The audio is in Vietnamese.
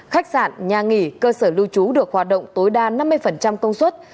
khách sạn nhà nghỉ cơ sở lưu trú được hoạt động tối đa năm mươi công suất